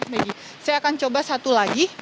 maggie saya akan coba satu lagi